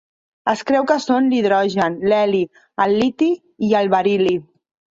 Es creu que són l'hidrogen, l'heli, el liti i el beril·li.